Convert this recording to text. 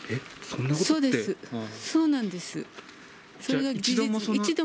そうなんです。